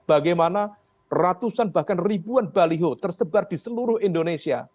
bagaimana ratusan bahkan ribuan baliho tersebar di seluruh indonesia